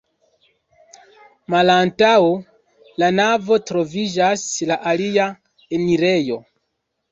Malantaŭ la navo troviĝas la alia enirejo.